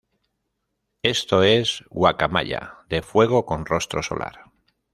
Esto es, "guacamaya de fuego con rostro solar".